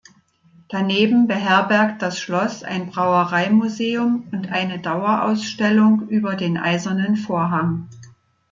Daneben beherbergt das Schloss ein Brauereimuseum und eine Dauerausstellung über den Eisernen Vorhang.